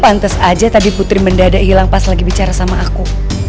pantes aja tadi putri mendadak hilang pas lagi bicara sama aku